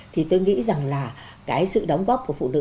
thì tôi nghĩ rằng là cái sự đóng góp của phụ nữ